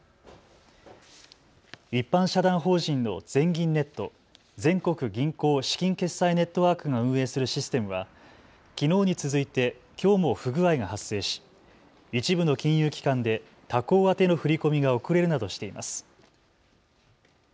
一般社団法人の全銀ネット・全国銀行資金決済ネットワークが運営するシステムはきのうに続いてきょうも不具合が発生し一部の金融機関で他行宛の振り込みが遅れるなどしています。